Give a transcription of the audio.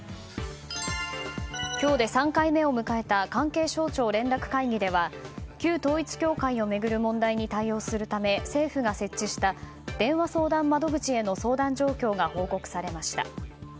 今日で３回目を迎えた関係省庁連絡会議では旧統一教会を巡る問題に対応するため、政府が設置した電話相談窓口への相談状況が報告されました。